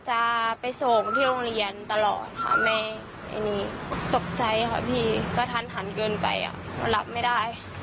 ตกใจค่ะพี่ก็ทันเกินไปรับไม่ได้